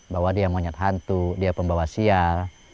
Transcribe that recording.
bahwa dia monyet hantu dia pembawa siar